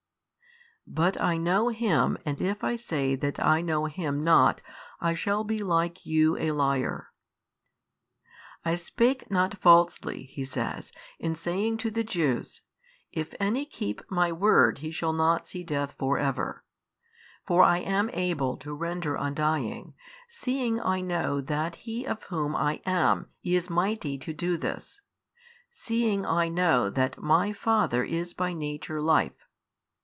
But I know Him and if I say that I know Him not I shall be like you a liar. I spake not falsely (He says) in saying to the Jews, If any keep My word he shall not see death for ever; for I am able to render undying, seeing I know that He of whom I am is mighty to do this, seeing I know that My Father is by Nature Life.